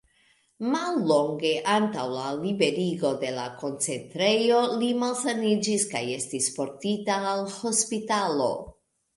Mallonge antaŭ la liberigo de la koncentrejo, li malsaniĝis kaj estis portita al hospitalo.